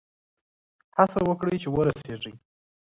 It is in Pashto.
هڅه وکړئ چي ورسېږئ.